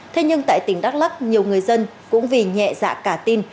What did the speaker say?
thế nhưng tại tỉnh đắk lắc nhiều người dân cũng vì nhẹ dạ cả tin